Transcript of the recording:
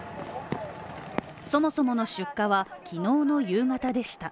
そもそもの出火は昨日の夕方でした。